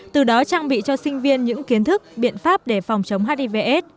từ đó trang bị cho sinh viên những kiến thức biện pháp để phòng chống hiv s